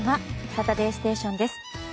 「サタデーステーション」です。